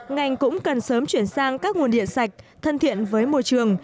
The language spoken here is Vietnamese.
ngành cũng cần sớm chuyển sang các nguồn điện sạch thân thiện với môi trường